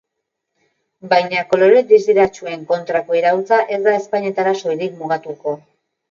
Baina, kolore distiratsuen kontrako iraultza ez da ezpainetara soilik mugatuko.